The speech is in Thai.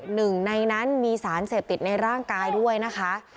หนึ่งในนั้นมีสารเสพติดในร่างกายด้วยนะคะ